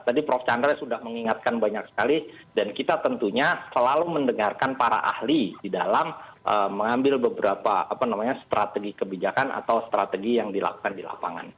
tadi prof chandra sudah mengingatkan banyak sekali dan kita tentunya selalu mendengarkan para ahli di dalam mengambil beberapa strategi kebijakan atau strategi yang dilakukan di lapangan